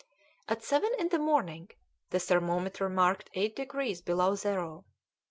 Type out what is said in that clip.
At seven in the morning the thermometer marked eight degrees below zero.